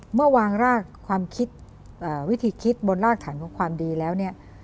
เมื่อวางรากความคิดวิธีคิดบนรากฐานของความดีแล้วเนี่ย